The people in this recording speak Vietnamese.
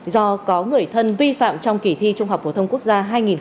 do có người thân vi phạm trong kỳ thi trung học phổ thông quốc gia hai nghìn một mươi tám